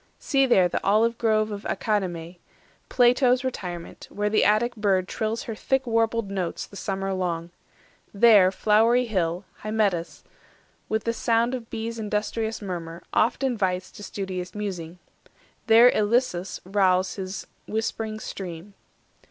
See there the olive grove of Academe, Plato's retirement, where the Attic bird Trills her thick warbled notes the summer long; There, flowery hill, Hymettus, with the sound Of bees' industrious murmur, oft invites To studious musing; there Ilissus rowls His whispering stream.